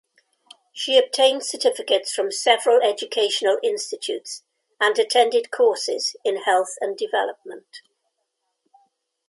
She obtained certificates from several educational institutes and attended courses in health and development.